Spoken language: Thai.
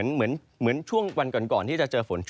เหมือนวันก่อนที่สดการิรดิ